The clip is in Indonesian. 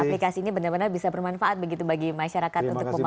dan aplikasi ini benar benar bisa bermanfaat begitu bagi masyarakat untuk membangunnya